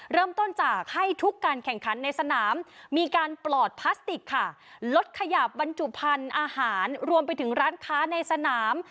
เริ่มต้นจากให้ทุกการแข่งขันในสนามมีการปลอดพลาสติกค่ะลดขยับบรรจุพันธุ์อาหารรวมไปถึงร้านค้าในสนาม